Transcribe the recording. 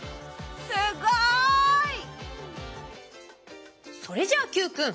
すごい！それじゃＱくん